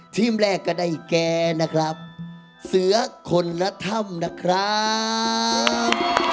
ทีมแรกก็ได้แก่นะครับเสือคนละถ้ำนะครับ